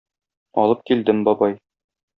Алып килдем, бабай.